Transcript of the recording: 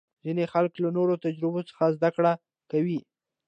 ځینې خلک له نورو تجربو څخه زده کړه کوي.